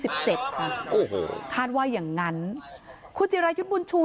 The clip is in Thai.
สิบเจ็ดคาดว่าอย่างนั้นฮูจิรัยยุฑระมุชู